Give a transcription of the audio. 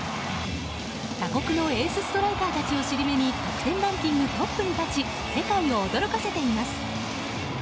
他国のエースストライカーたちを尻目に得点ランキングトップに立ち世界を驚かせています。